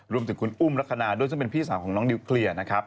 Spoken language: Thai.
รวมถึงคุณอุ้มลักษณะด้วยซึ่งเป็นพี่สาวของน้องนิวเคลียร์นะครับ